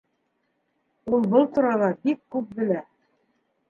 Ул был турала бик күп белә.